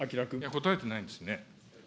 答えてないですね。